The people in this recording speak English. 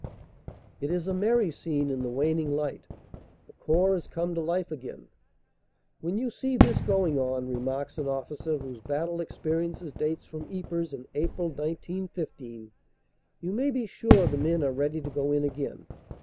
It is a merry scene in the waning light. The Corps has come to life again. "When you see this going on," remarks an officer whose battle experience dates from Ypres in April, 1915, "you may be sure the men are ready to go in again.